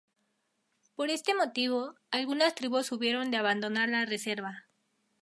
Por este motivo, algunas tribus hubieron de abandonar la reserva.